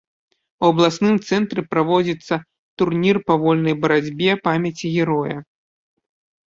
У абласным цэнтры праводзіцца турнір па вольнай барацьбе памяці героя.